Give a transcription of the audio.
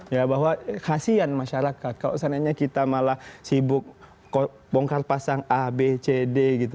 ya bahwa kasian masyarakat kalau seandainya kita malah sibuk bongkar pasang a b c d gitu